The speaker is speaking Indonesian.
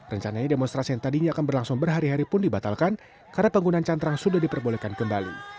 rencananya demonstrasi yang tadinya akan berlangsung berhari hari pun dibatalkan karena penggunaan cantrang sudah diperbolehkan kembali